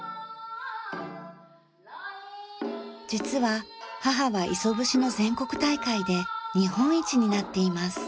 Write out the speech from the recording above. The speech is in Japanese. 実は母は磯節の全国大会で日本一になっています。